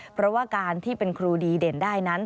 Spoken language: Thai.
เพราะว่าการที่เป็นครูดีเด่นได้นั้น